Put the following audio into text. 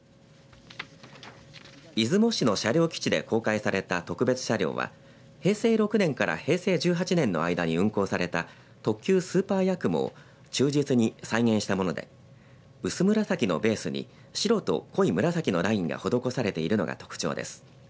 出雲市の車両基地で公開された特別車両は平成６年から平成１８年の間に運行された特急スーパーやくもを忠実に再現したもので薄紫のベースに白と濃い紫のラインが施されているのが特徴です。